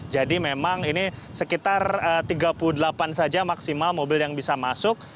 jadi memang ini sekitar tiga puluh delapan saja maksimal mobil yang bisa masuk